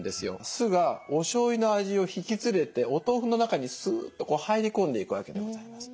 酢がおしょうゆの味を引き連れてお豆腐の中にすっと入り込んでいくわけでございます。